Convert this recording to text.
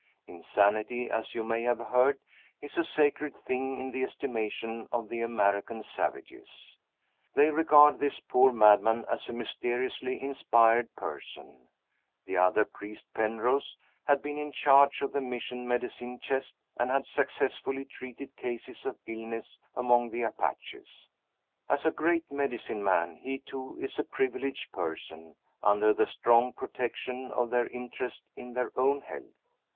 Insanity, as you may have heard, is a sacred thing in the estimation of the American savages; they regard this poor madman as a mysteriously inspired person The other priest, Penrose, had been in charge of the mission medicine chest, and had successfully treated cases of illness among the Apaches. As a 'great medicine man,' he too is a privileged person under the strong protection of their interest in their own health.